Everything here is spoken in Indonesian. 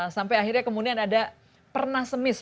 sampai akhirnya kemudian ada pernasemis